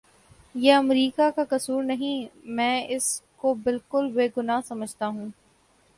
یہ امریکہ کا کسور نہیں میں اس کو بالکل بے گناہ سمجھتا ہوں